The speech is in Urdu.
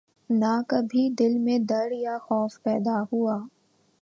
نہ کبھی دل میں ڈر یا خوف پیدا ہوا